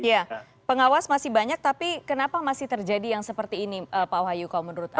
ya pengawas masih banyak tapi kenapa masih terjadi yang seperti ini pak wahyu kalau menurut anda